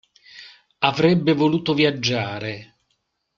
Avrebbe voluto viaggiare.